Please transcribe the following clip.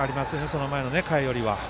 その前の回よりは。